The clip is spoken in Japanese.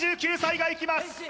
２９歳がいきます